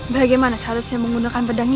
bagaimana seharusnya menggunakan pedang ini